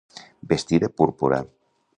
Vestir de púrpura.